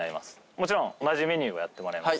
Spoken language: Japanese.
もちろん同じメニューをやってもらいます。